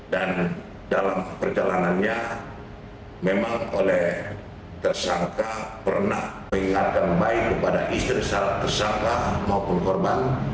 dan dalam perjalanannya memang oleh tersangka pernah mengingatkan baik kepada istri tersangka maupun korban